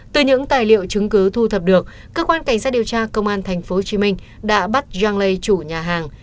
từ những tài liệu chứng cứ thu thập được cơ quan cảnh sát điều tra công an tp hcm đã bắt juan lee chủ nhà hàng